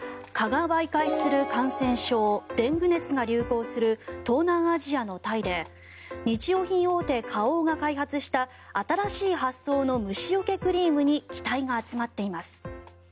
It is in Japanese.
蚊が媒介する感染症デング熱が流行する東南アジアのタイで日用品大手、花王が開発した新しい発想の虫よけクリームに期待が集まっています。